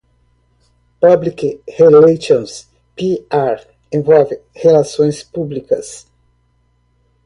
Public Relations (PR) envolve relações públicas.